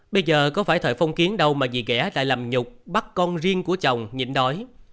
bây giờ có phải thời phong kiến đâu mà dì ghẻ lại làm nhục bắt con riêng của chồng nhịn đói